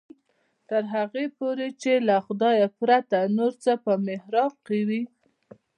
تر هغې پورې چې له خدای پرته نور څه په محراق کې وي.